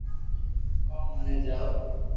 ڪو موني جاوُ